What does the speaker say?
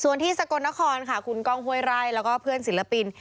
ส่วนที่สกลนครค่ะคุณก้องห้วยไร่แล้วก็เพื่อนศิลปิน